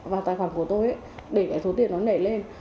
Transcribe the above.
vào tài khoản của tôi để cái số tiền nó nảy lên